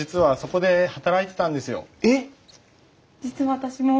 実は私も。